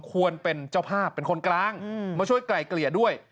ควรเป็นเจ้าภาพเป็นคนกลางมาช่วยไกล่เกลี่ยด้วย